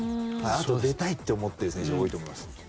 出たいと思っている選手も多いと思います。